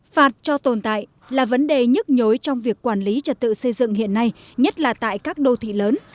phạt cho tồn tại là vấn đề nhức nhối trong việc quản lý trật tự xây dựng hiện nay nhất là tại các đô thị lớn